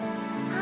あ！